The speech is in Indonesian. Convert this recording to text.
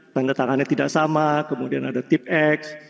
tanda tangannya tidak sama kemudian ada tip x